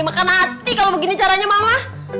makan hati kalau begini caranya mama